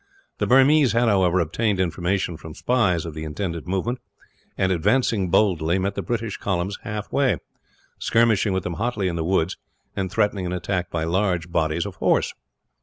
The Burmese had, however, obtained information from spies of the intended movement and, advancing boldly, met the British columns half way; skirmishing with them hotly in the woods, and threatening an attack by large bodies of horse.